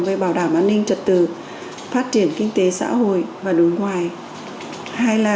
thế là em bố thức hôm qua